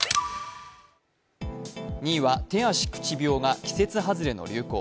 ２位は手足口病が季節外れの流行。